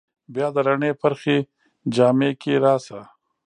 بیا د رڼې پرخې جامه کې راشه